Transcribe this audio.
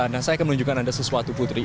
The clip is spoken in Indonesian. nah saya akan menunjukkan ada sesuatu putri